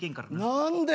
何で？